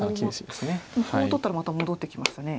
でもコウを取ったらまた戻ってきましたね。